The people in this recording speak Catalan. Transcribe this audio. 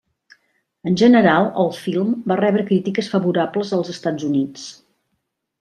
En general el film va rebre crítiques favorables als Estats Units.